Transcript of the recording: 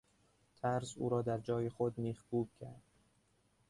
ترس او را در جای خود میخکوب کرد.